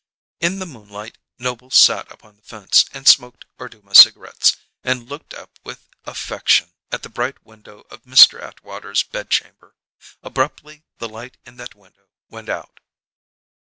In the moonlight Noble sat upon the fence, and smoked Orduma cigarettes, and looked up with affection at the bright window of Mr. Atwater's bedchamber. Abruptly the light in that window went out.